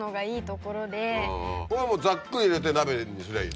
これはもうざっくり入れて鍋にすりゃいいだけ？